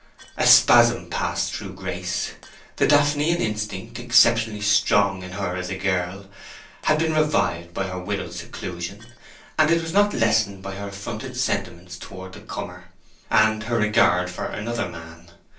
A spasm passed through Grace. The Daphnean instinct, exceptionally strong in her as a girl, had been revived by her widowed seclusion; and it was not lessened by her affronted sentiments towards the comer, and her regard for another man.